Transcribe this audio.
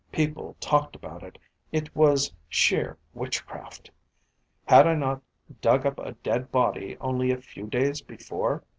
People talked about it. It was sheer witchcraft. Had I not dug up a dead body, only a few days before?